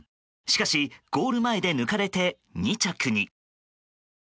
しかし、ゴール前で抜かれて２着に。